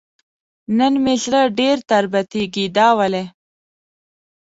نن مې زړه ډېر تربتېږي دا ولې ؟